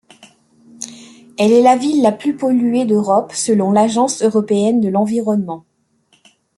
Elle est la ville la plus polluée d'Europe selon l'Agence européenne de l'Environnement.